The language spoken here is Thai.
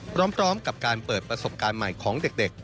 พร้อมกับการเปิดประสบการณ์ใหม่ของเด็ก